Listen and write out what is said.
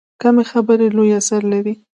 کمې خبرې، لوی اثر لري.